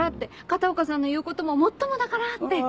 片岡さんの言うことももっともだからって。